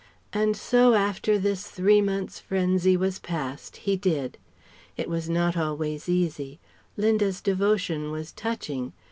And so after this three months' frenzy was past, he did. It was not always easy. Linda's devotion was touching.